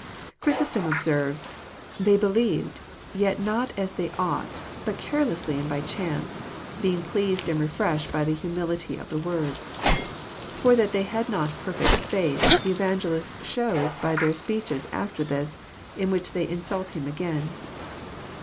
Chrysostom observes :They believed, yet not as they ought, but carelessly and by chance, being pleased and refreshed by the humility of the words. For that they had not perfect faith, the Evangelist shows by their speeches after this, in which they insult him again."